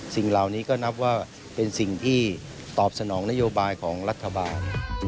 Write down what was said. สิ่งเหล่านี้ก็นับว่าเป็นสิ่งที่ตอบสนองนโยบายของรัฐบาล